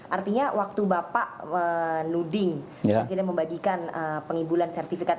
artinya waktu bapak nuding disini membagikan pengibulan sertifikat